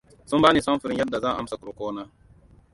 Sun bani samfurin yadda zan amsa roƙona.